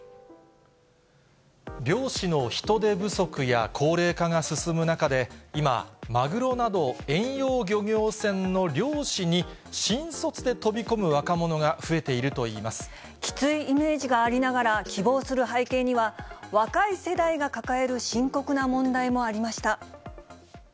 漁師の人手不足や高齢化が進む中で、今、マグロなど遠洋漁業船の漁師に新卒で飛び込む若者が増えているときついイメージがありながら、希望する背景には、若い世代が抱える深刻な問題もありました。